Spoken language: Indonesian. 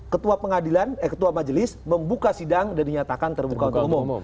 ketua pengadilan eh ketua majelis membuka sidang dan dinyatakan terbuka untuk umum